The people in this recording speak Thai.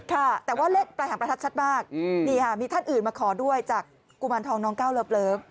ค่ะแต่ว่าเลขปลายหางประทัดชัดมากนี่ค่ะมีท่านอื่นมาขอด้วยจากกุมารทองน้องก้าวเลิฟ